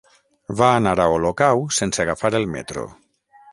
Va anar a Olocau sense agafar el metro.